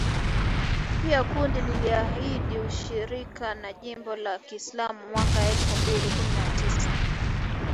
Pia kundi liliahidi ushirika na jimbo la kiislam mwaka elfu mbili kumi na tisa.